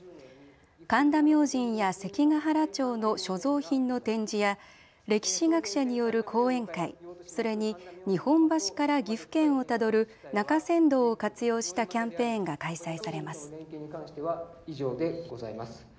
神田明神や関ケ原町の所蔵品の展示や歴史学者による講演会、それに日本橋から岐阜県をたどる中山道を活用したキャンペーンが開催されます。